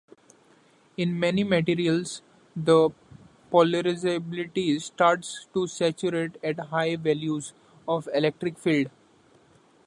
In many materials the polarizability starts to saturate at high values of electric field.